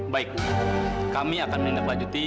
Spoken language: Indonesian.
baik kami akan menindak bajuti